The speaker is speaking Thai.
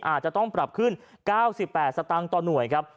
อาจจะต้องปรับขึ้น๙๘สตางค์ต่อหน่วยครับ